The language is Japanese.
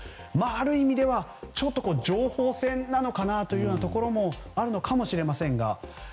まあ、ある意味では情報戦なのかなというところもあるのかもしれませんが。